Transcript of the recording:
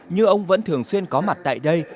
nhưng ông vẫn thường xuyên có mặt tại đây